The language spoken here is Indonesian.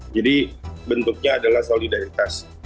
jadi bentuknya adalah solidaritas